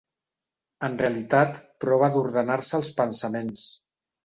En realitat prova d'ordenar-se els pensaments.